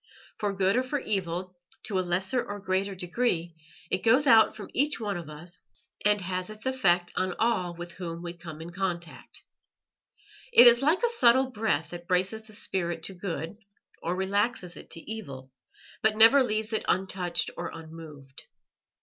For good or for evil, to a lesser or a greater degree, it goes out from each one of us, and has its effect on all with whom we come in contact. It is like a subtle breath that braces the spirit to good, or relaxes it to evil, but never leaves it untouched or unmoved.